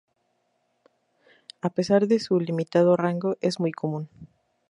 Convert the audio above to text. A pesar de su limitado rango, es muy común.